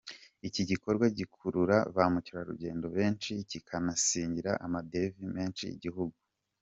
Iki gikorwa gikurura ba mukerarugendo benshi, kikanasigira amadevize menshi igihugu.